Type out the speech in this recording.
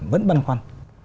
vẫn băn khoăn